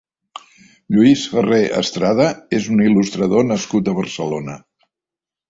Lluís Farré Estrada és un il·lustrador nascut a Barcelona.